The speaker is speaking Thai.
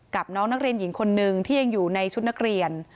กับน้องนักเรียนหญิงคนนึงที่ยังอยู่ในชุดนักเรียน